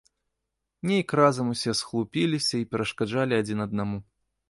Нейк разам усе схлупіліся і перашкаджалі адзін аднаму.